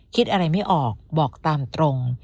คิดอะไรไม่ออกบอกตามตรง